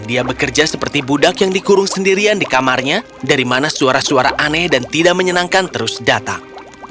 dia bekerja seperti budak yang dikurung sendirian di kamarnya dari mana suara suara aneh dan tidak menyenangkan terus datang